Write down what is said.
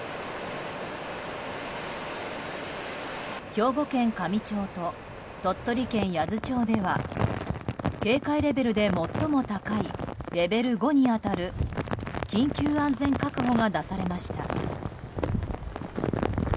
兵庫県香美町と鳥取県八頭町では警戒レベルで最も高いレベル５に当たる緊急安全確保が出されました。